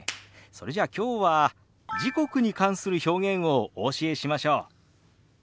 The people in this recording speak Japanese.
それじゃあきょうは時刻に関する表現をお教えしましょう。